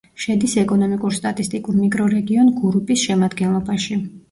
შედის ეკონომიკურ-სტატისტიკურ მიკრორეგიონ გურუპის შემადგენლობაში.